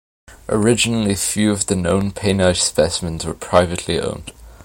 Originally few of the known painite specimens were privately owned.